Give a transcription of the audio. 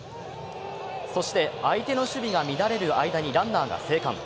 そして、相手の守備が乱れる間にランナーが生還。